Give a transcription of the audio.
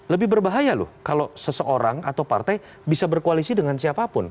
lebih berbahaya loh kalau seseorang atau partai bisa berkoalisi dengan siapapun